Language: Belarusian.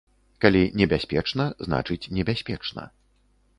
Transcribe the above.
Калі небяспечна, значыць небяспечна.